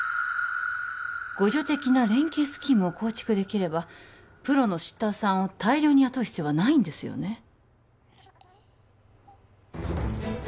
互助的な連携スキームを構築できればプロのシッターさんを大量に雇う必要はないんですよね